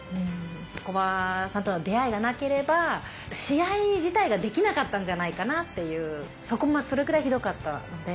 木場さんとの出会いがなければ試合自体ができなかったんじゃないかなっていうそれぐらいひどかったので。